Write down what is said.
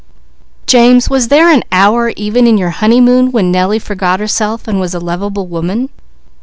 "James, was there an hour, even in your honeymoon, when Nellie forgot herself and was a lovable woman?"